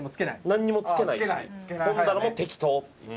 なんにもつけないし本棚も適当っていう。